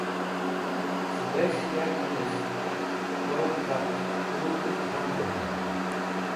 Cẽ bes̃h yarkẽnes̃h tor caq pũl randẽna?